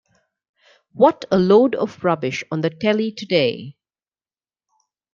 What a load of rubbish on the telly today.